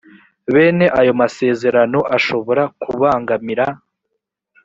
bene ayo masezerano ashobora kubangamira